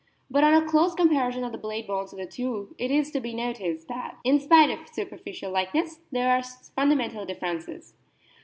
But on a close comparison of the blade bones of the two it is to be noticed that, in spite of superficial like ness, there are fundamental differences.